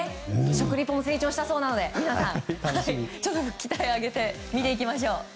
食リポも成長したそうなので皆さん、期待を上げて見ていきましょう。